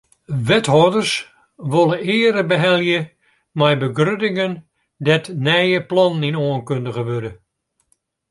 Wethâlders wolle eare behelje mei begruttingen dêr't nije plannen yn oankundige wurde.